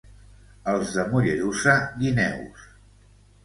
Els de Mollerussa, guineus.